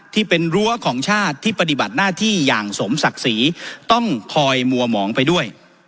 ที่เป็นรั้วของชาติที่ปฏิบัติหน้าที่อย่างสมศักดิ์ศรีต้องคอยมัวหมองไปด้วย